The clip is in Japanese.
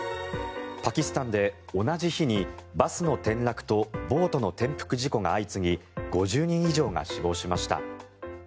パキスタンで同じ日にバスの転落とボートの転覆事故が相次ぎ５０人以上が死亡しました。